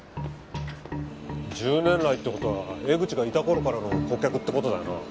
１０年来って事は江口がいた頃からの顧客って事だよな。